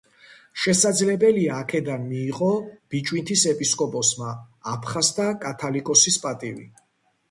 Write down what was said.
შესაძლებელია აქედან მიიღო ბიჭვინთის ეპისკოპოსმა აფხაზთა კათალიკოსის პატივი.